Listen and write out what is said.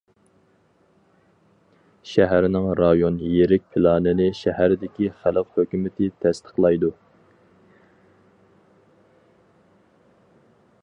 شەھەرنىڭ رايون يىرىك پىلانىنى شەھەردىكى خەلق ھۆكۈمىتى تەستىقلايدۇ.